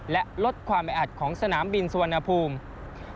และลดความแอดของสนามบินสวนภูมิ